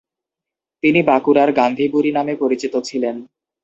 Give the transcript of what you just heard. তিনি বাঁকুড়ার গান্ধীবুড়ি নামে পরিচিত ছিলেন।